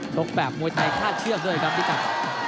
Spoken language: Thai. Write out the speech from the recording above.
ชกแบบมวยไทยฆ่าเชือกด้วยครับพี่กัด